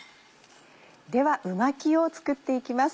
ではう巻きを作って行きます。